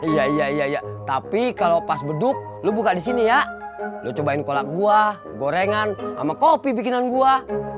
iya iya tapi kalau pas beduk lu buka di sini ya lo cobain kolak buah gorengan sama kopi bikinan buah